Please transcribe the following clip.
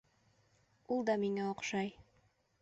Ул да миңә оҡшай.